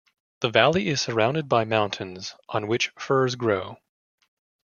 The valley is surrounded by mountains, on which firs grow.